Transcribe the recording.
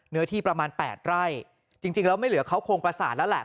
เนื้อที่ประมาณ๘ไร่จริงแล้วไม่เหลือเขาคงประสานแล้วแหละ